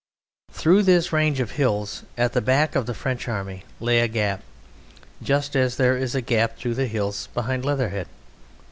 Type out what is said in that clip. Through this range of hills at the back of the French Army lay a gap, just as there is a gap through the hills behind Leatherhead.